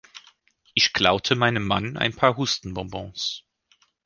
Ich klaute meinem Mann ein paar Hustenbonbons.